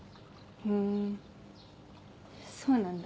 ふんそうなんだ。